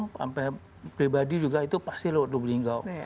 sampai pribadi juga itu pasti lho lubuk linggo